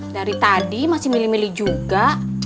dari tadi masih milih milih juga